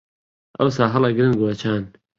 ئەوسا هەڵ ئەگرن گۆچان